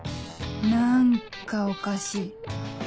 何かおかしい